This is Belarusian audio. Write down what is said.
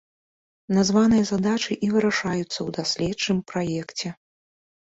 Названыя задачы і вырашаюцца ў даследчым праекце.